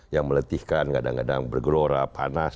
yang meletihkan kadang kadang bergelora panas